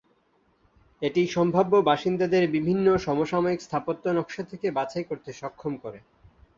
এটি সম্ভাব্য বাসিন্দাদের বিভিন্ন সমসাময়িক স্থাপত্য নকশা থেকে বাছাই করতে সক্ষম করে।